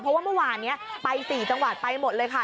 เพราะว่าเมื่อวานนี้ไป๔จังหวัดไปหมดเลยค่ะ